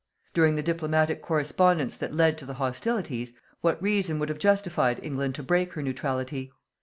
During the diplomatic correspondence that led to the hostilities, what reason would have justified England to break her neutrality?